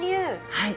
はい。